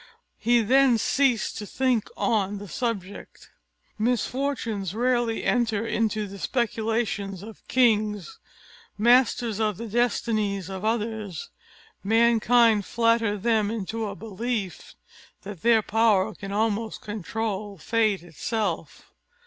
He then ceased to think on the subject. Misfortunes rarely enter into the speculations of kings. Masters of the destinies of others, mankind flatter them into a belief that their power can almost control fate itself.